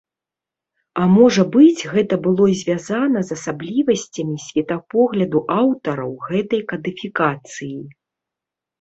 А можа быць, гэта было звязана з асаблівасцямі светапогляду аўтараў гэтай кадыфікацыі.